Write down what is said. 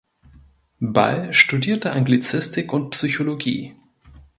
Ball studierte Anglistik und Psychologie.